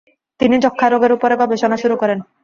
তিনি যক্ষ্মারোগের উপরে গবেষণা শুরু করেন।